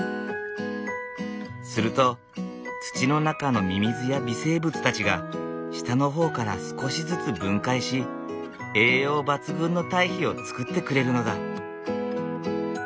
すると土の中のミミズや微生物たちが下の方から少しずつ分解し栄養抜群の堆肥を作ってくれるのだ。